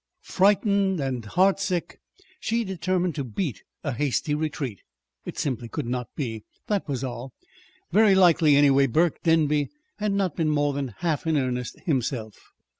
Frightened and heartsick, she determined to beat a hasty retreat. It simply could not be. That was all. Very likely, anyway, Burke Denby had not been more than half in earnest himself.